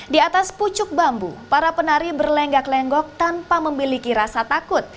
di atas pucuk bambu para penari berlenggak lenggok tanpa memiliki rasa takut